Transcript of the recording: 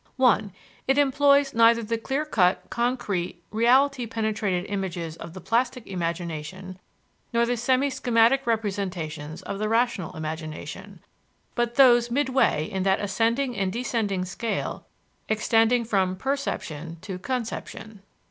(1) It employs neither the clear cut, concrete, reality penetrated images of the plastic imagination, nor the semi schematic representations of the rational imagination, but those midway in that ascending and descending scale extending from perception to conception.